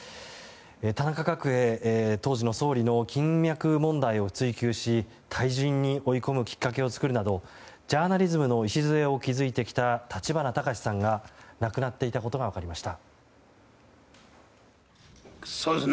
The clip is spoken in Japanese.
田中角栄、当時の総理の金脈問題を追及し退陣に追い込むきっかけを作るなどジャーナリズムの礎を築いてきた立花隆さんが亡くなっていたことが分かりました。